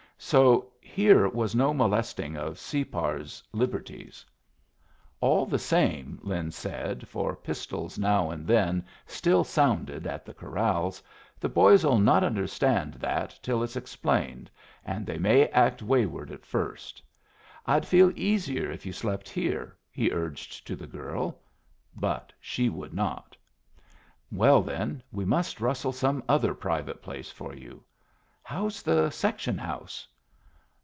So here was no molesting of Separ's liberties. "All the same," Lin said, for pistols now and then still sounded at the corrals, "the boys'll not understand that till it's explained, and they may act wayward first. I'd feel easier if you slept here," he urged to the girl. But she would not. "Well, then, we must rustle some other private place for you. How's the section house?"